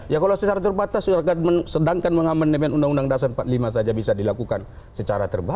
ya kalau secara terbatas sedangkan mengamandemen undang undang dasar empat puluh lima saja bisa dilakukan secara terbatas